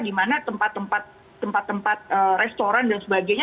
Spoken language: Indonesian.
gimana tempat tempat restoran dan sebagainya